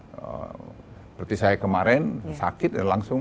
seperti saya kemarin sakit dan langsung